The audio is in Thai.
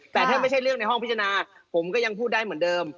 แต่ถ้าไม่ใช่เรื่องในห้องพิจารณาผมก็ยังพูดได้เหมือนเดิม